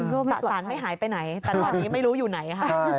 สารไม่หายไปไหนแต่ตอนนี้ไม่รู้อยู่ไหนค่ะ